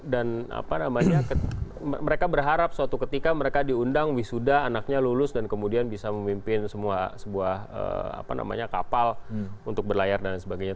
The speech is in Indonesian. dan apa namanya mereka berharap suatu ketika mereka diundang wisuda anaknya lulus dan kemudian bisa memimpin sebuah kapal untuk berlayar dan sebagainya